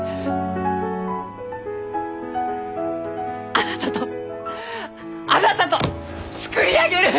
あなたとあなたと作り上げる！